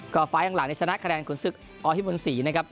ก็ไฟล์ข้างหลังนี่จะนัดคะแนนขุนศึกอภิมนศ์ศรีนะครับ